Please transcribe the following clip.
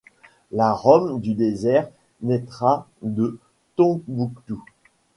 La Rome du désert naîtra de Tombouctou.